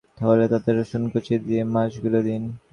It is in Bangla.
এবার কড়াইয়ে সয়াবিন তেল গরম হলে তাতে রসুন কুচি দিয়ে মাছগুলো দিন।